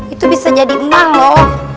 itu bisa jadi nol loh